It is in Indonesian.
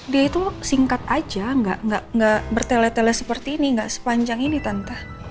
dia itu singkat aja nggak bertele tele seperti ini gak sepanjang ini tante